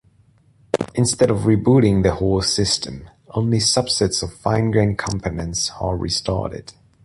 Instead of rebooting the whole system, only subsets of fine-grain components are restarted.